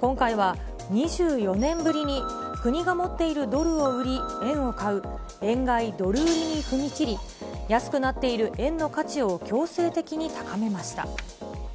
今回は２４年ぶりに、国が持っているドルを売り円を買う、円買いドル売りに踏み切り、安くなっている円の価値を強制的に高めました。